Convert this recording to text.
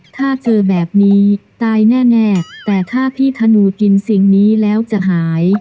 ถ้าเจอแบบนี้ตายแน่แต่ถ้าพี่ธนูกินสิ่งนี้แล้วจะหาย